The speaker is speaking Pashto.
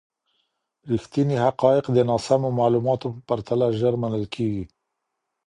ریښتیني حقایق د ناسمو معلوماتو په پرتله ژر منل کیږي.